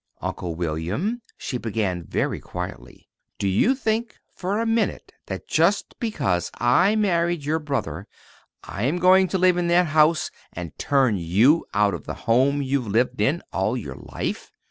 "Uncle William," she began very quietly, "do you think for a minute that just because I married your brother I am going to live in that house and turn you out of the home you've lived in all your life?"